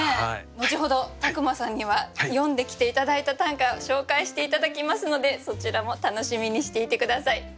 後ほど宅間さんには詠んできて頂いた短歌紹介して頂きますのでそちらも楽しみにしていて下さい。